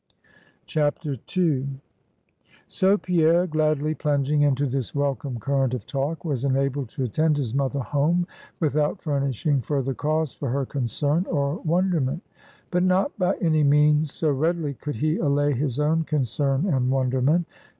II. So Pierre, gladly plunging into this welcome current of talk, was enabled to attend his mother home without furnishing further cause for her concern or wonderment. But not by any means so readily could he allay his own concern and wonderment.